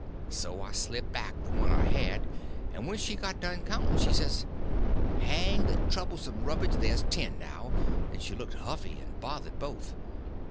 So I slipped back the one I had, and when she got done counting, she says: "Hang the troublesome rubbage, ther's ten now!" and she looked huffy and bothered both.